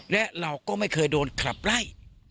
และเราก็ไม่เคยโดนขับไล่